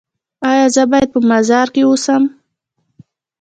ایا زه باید په مزار کې اوسم؟